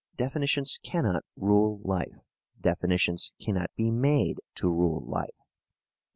Definitions cannot rule life. Definitions cannot be made to rule life.